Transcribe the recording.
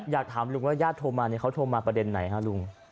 อยากถามลุงว่าญาติโทรมาเนี่ยเขาโทรมาประเด็นไหนฮะลุง